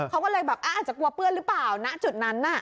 เขาก็เลยแบบอาจจะกลัวเปื้อนหรือเปล่าณจุดนั้นน่ะ